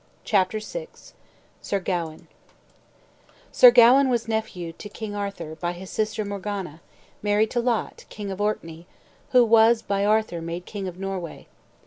CHAPTER VI SIR GAWAIN Sir Gawain was nephew to King Arthur, by his sister Morgana, married to Lot, king of Orkney, who was by Arthur made king of Norway.